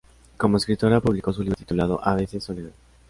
Como escritora publico su libro titulado "A veces soledad".